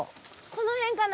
この辺かな？